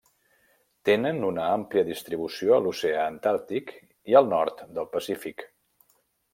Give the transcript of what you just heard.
Tenen una àmplia distribució a l'oceà Antàrtic i el nord del Pacífic.